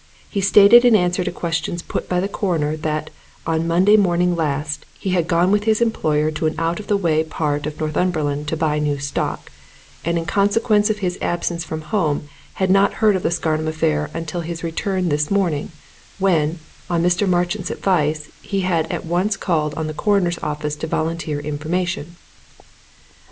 He stated in answer to questions put by the Coroner, that on Monday morning last he had gone with his employer to an out of the way part of Northumberland to buy new stock, and in consequence of his absence from home had not heard of the Scarnham affair until his return this morning, when, on Mr. Marchant's advice, he had at once called on the Coroner's office to volunteer information.